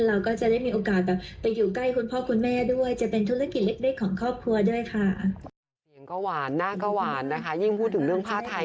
เราก็จะได้มีโอกาสไปอยู่ใกล้คุณพ่อคุณแม่ด้วย